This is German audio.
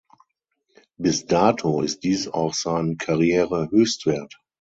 Bis dato ist dies auch sein Karrierehöchstwert.